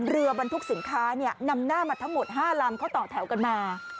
บรรทุกสินค้านำหน้ามาทั้งหมด๕ลำเขาต่อแถวกันมา